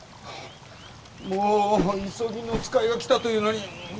もう急ぎの使いが来たというのに。